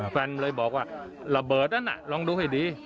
แฟนเลยบอกว่าระเบิดนั้นน่ะลองดูให้ดี